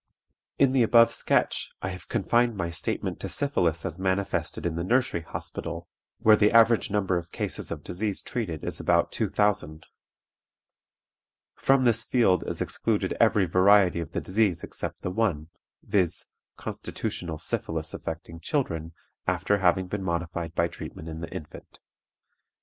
"In the above sketch I have confined my statement to syphilis as manifested in the Nursery Hospital, where the average number of cases of disease treated is about two thousand. From this field is excluded every variety of the disease except the one, viz., constitutional syphilis affecting children after having been modified by treatment in the infant.